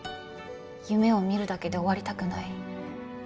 夢を見るだけで終わりたくない